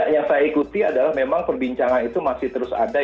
yang saya ikuti adalah memang perbincangan itu masih terus ada